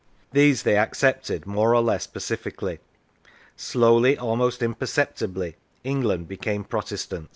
These they accepted more or less pacifically. " Slowly, almost imperceptibly, England became Protestant."